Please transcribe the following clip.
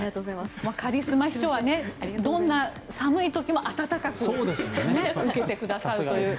カリスマ秘書はどんな寒い時も温かく受けてくださるという。